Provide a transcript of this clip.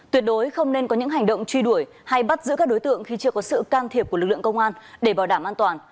tuyệt đối không nên có những hành động truy đuổi hay bắt giữ các đối tượng khi chưa có sự can thiệp của lực lượng công an để bảo đảm an toàn